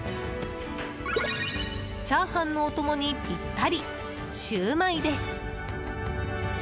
チャーハンのお供にぴったりシューマイです。